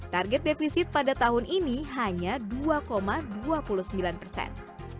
target defisit pada tahun ini hanya dua dua puluh satu persen